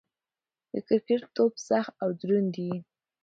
د کرکټ توپ سخت او دروند يي.